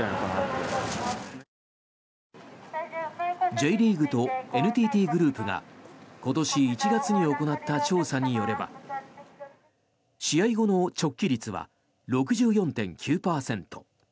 ＪリーグとＮＴＴグループが今年１月に行った調査によれば試合後の直帰率は６４．９％。